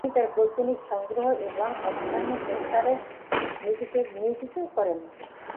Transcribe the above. তিনি তাঁর বৈজ্ঞানিক সংগ্রহ এবং অধ্যয়নের প্রসারে নিজেকে নিয়োজিত করেন।